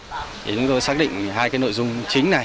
thì chúng tôi xác định hai cái nội dung chính là